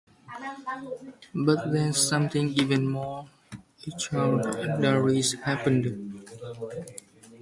But then something even more extraordinary happened.